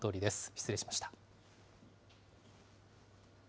失礼しました。